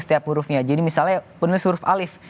setiap hurufnya jadi misalnya penuhnya huruf alif